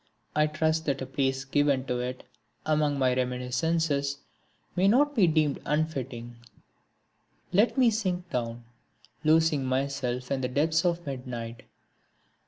I trust that a place given to it among my reminiscences may not be deemed unfitting. Let me sink down, losing myself in the depths of midnight.